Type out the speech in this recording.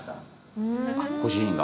ご主人が？